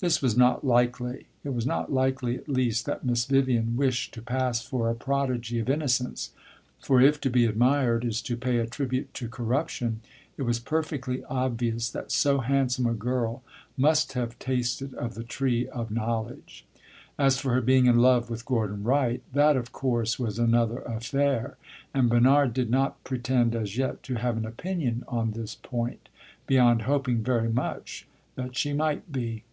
This was not likely; it was not likely, at least, that Miss Vivian wished to pass for a prodigy of innocence; for if to be admired is to pay a tribute to corruption, it was perfectly obvious that so handsome a girl must have tasted of the tree of knowledge. As for her being in love with Gordon Wright, that of course was another affair, and Bernard did not pretend, as yet, to have an opinion on this point, beyond hoping very much that she might be.